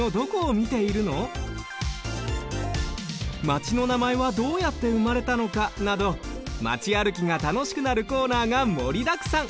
「マチのなまえはどうやってうまれたのか」などマチあるきがたのしくなるコーナーがもりだくさん！